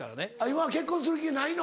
今結婚する気ないの？